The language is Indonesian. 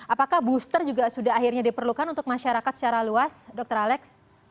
apakah booster juga sudah akhirnya diperlukan untuk masyarakat secara luas dr alex